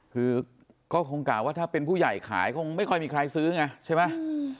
คือก็คงกล่าวว่าถ้าเป็นผู้ใหญ่ขายคงไม่ค่อยมีใครซื้อไงใช่ไหม